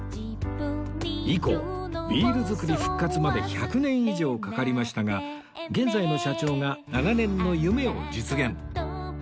以降ビール造り復活まで１００年以上かかりましたが現在の社長が長年の夢を実現